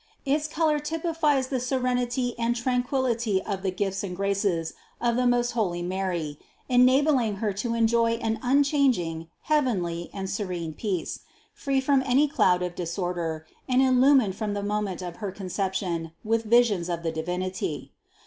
Its color typifies the serenity and tranquillity of the gifts and graces of the most holy Mary, enabling Her to enjoy an unchanging, THE CONCEPTION 235 heavenly and serene peace, free from any cloud of dis order and illumined from the moment of her Concep tion with visions of the Divinity.